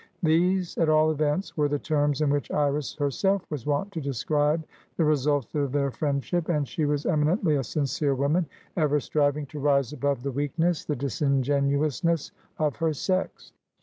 These, at all events, were the terms in which Iris herself was wont to describe the results of their friendship, and she was eminently a sincere woman, ever striving to rise above the weakness, the disingenuousness, of her sex.